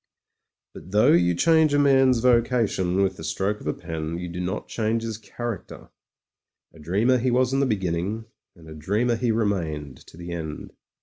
... But though you change a man's vocation with the 62 MEN, WOMEN AND GUNS stroke of a pen, you do not change his character. A dreamer he was in the beginning, and a dreamer he remained to the end.